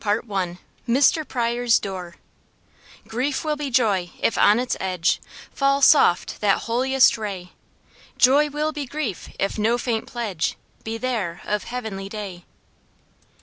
CHAPTER III Mr. Pryor's Door "Grief will be joy if on its edge Fall soft that holiest ray, Joy will be grief if no faint pledge Be there of heavenly day."